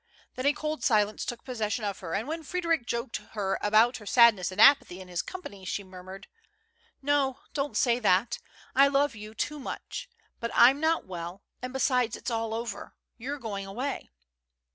Then a cold silence took possession of her, and when Freddric joked her about her sadness and apathy in his company she murmured : ''No, don't say that. I love you too much. But I'm not well; and, besides, it's all over. You're going 5,way."